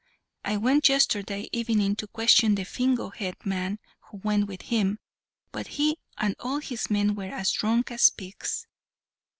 I went yesterday evening to question the Fingo head man who went with him, but he and all his men were as drunk as pigs.